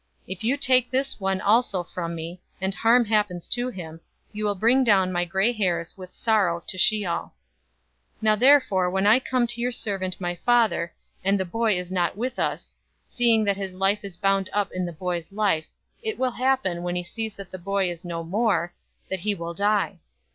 044:029 If you take this one also from me, and harm happens to him, you will bring down my gray hairs with sorrow to Sheol.' 044:030 Now therefore when I come to your servant my father, and the boy is not with us; seeing that his life is bound up in the boy's life; 044:031 it will happen, when he sees that the boy is no more, that he will die.